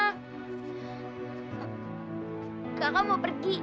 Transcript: kakak mau pergi